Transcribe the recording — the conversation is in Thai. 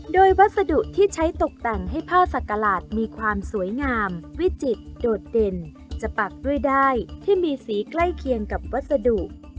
โดยวัสดุที่ใช้ตกแต่งให้ผ้าสักกระหลาดมีความสวยงามวิจิตโดดเด่นจะปักด้วยด้ายที่มีสีใกล้เคียงกับวัสดุ